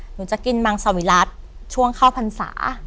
หนูจะกินมังสวิรัติช่วงเข้าพรรษา